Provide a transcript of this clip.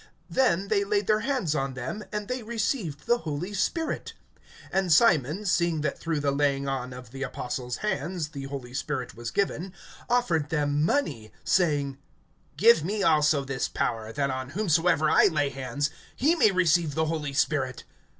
(17)Then they laid their hands on them, and they received the Holy Spirit. (18)And Simon, seeing that through the laying on of the apostles' hands the Holy Spirit was given, offered them money, (19)saying: Give me also this power, that on whomsoever I lay hands, he may receive the Holy Spirit.